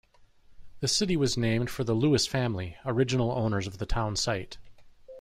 The city was named for the Lewis family, original owners of the town site.